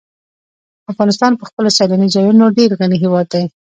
افغانستان په خپلو سیلاني ځایونو ډېر غني هېواد دی.